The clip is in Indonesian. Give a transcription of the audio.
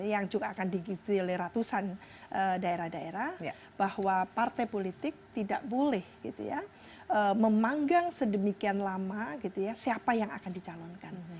yang juga akan digitili ratusan daerah daerah bahwa partai politik tidak boleh memanggang sedemikian lama siapa yang akan dicalonkan